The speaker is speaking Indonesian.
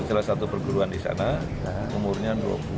keluruhan di sana umurnya dua puluh satu